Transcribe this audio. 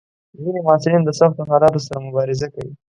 ځینې محصلین د سختو حالاتو سره مبارزه کوي.